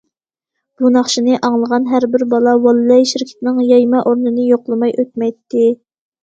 بۇ ناخشىنى ئاڭلىغان ھەر بىر بالا‹‹ ۋاللەي›› شىركىتىنىڭ يايما ئورنىنى يوقلىماي ئۆتمەيتتى.